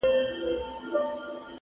• تر څو حکمونه له حُجرې وي ,